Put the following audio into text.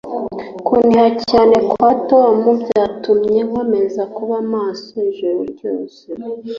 Kuniha cyane kwa Tom byatumye nkomeza kuba maso ijoro ryose